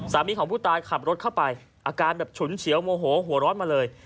ของผู้ตายขับรถเข้าไปอาการแบบฉุนเฉียวโมโหหัวร้อนมาเลย